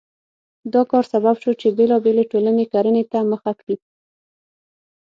دا کار سبب شو چې بېلابېلې ټولنې کرنې ته مخه کړي.